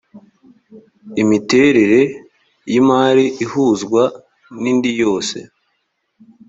imiterere y ‘imari ihuzwa nindiyose.